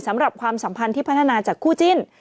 สำหรับความสัมพันธ์ที่พัฒนาจากครูจิ้น